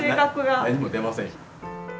何も出ませんよ。